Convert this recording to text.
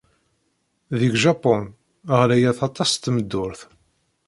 Deg Japun, ɣlayet aṭas tmeddurt.